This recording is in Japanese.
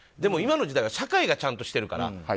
今の時代は社会がちゃんとしてるから。